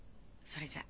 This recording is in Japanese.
それじゃ。